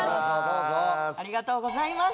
ありがとうございます。